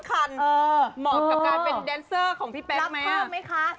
เหมาะกับการเป็นแดนเซอร์ของพี่แป๊กไหม